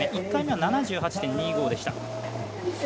１回目は７８．２５でした。